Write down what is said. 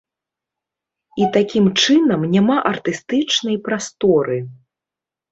І такім чынам няма артыстычнай прасторы.